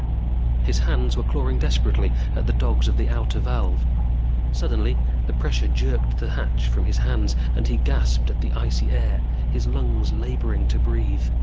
His hands were clawing desperately at the dogs of the outer valve. Suddenly the pressure jerked the hatch from his hands and he gasped at the icy air, his lungs laboring to breathe.